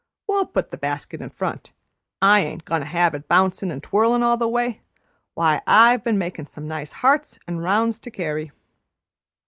We'll put the basket in front. I ain't goin' to have it bouncin' an' twirlin' all the way. Why, I've been makin' some nice hearts and rounds to carry."